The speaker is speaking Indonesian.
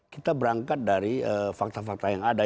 kita berangkat dari fakta fakta yang ada